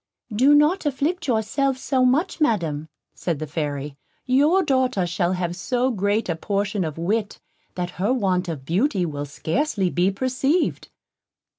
"Do not afflict yourself so much, Madam," said the Fairy; "your daughter shall have so great a portion of wit, that her want of beauty will scarcely be perceived."